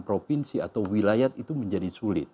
provinsi atau wilayah itu menjadi sulit